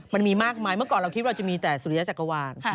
มันมีมากมายเมื่อก่อนเราคิดว่าจะมีแต่สุริยจักรวาล